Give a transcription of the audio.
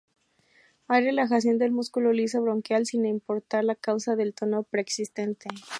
Hay relajación del músculo liso bronquial, sin importar la causa del tono preexistente.